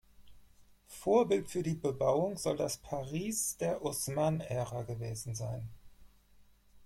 Vorbild für die Bebauung soll das Paris der Haussmann-Ära gewesen sein.